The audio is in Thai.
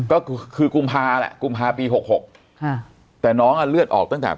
ก็คือกุมภาแหละกุมภาปีหกหกค่ะแต่น้องอ่ะเลือดออกตั้งแต่